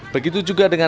begitu juga dengan